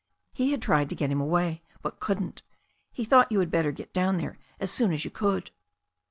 He had tried to get him away, but couldn't. He thought you had better get down there as soon as you could."